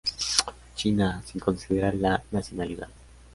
China, sin considerar la nacionalidad.